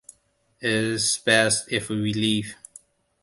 It's best if we leave.